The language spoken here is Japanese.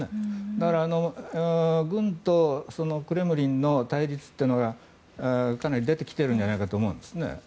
だから、軍とクレムリンの対立というのがかなり出てきているんじゃないかと思うんですね。